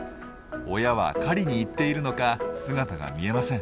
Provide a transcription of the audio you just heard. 親は狩りに行っているのか姿が見えません。